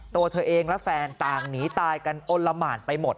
ตัวเธอเองและแฟนต่างหนีตายกันอลละหมานไปหมด